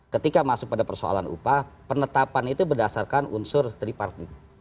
ketika masuk pada persoalan upah penetapan itu berdasarkan unsur triparting